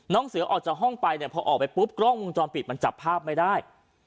เสือออกจากห้องไปเนี่ยพอออกไปปุ๊บกล้องวงจรปิดมันจับภาพไม่ได้